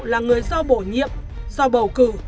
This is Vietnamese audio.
là người do bổ nhiệm do bầu cử